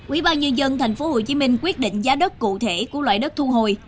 ubnd tp hcm quyết định giá đất cụ thể của loại đất thu hồi